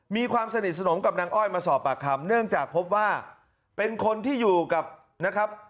มีความสนิทสนมกับนางอ้อยมาสอบปากคำเนื่องจากพบว่าเป็นคนที่อยู่กับนะครับ